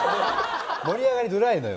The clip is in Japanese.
盛り上がりづらいのよ。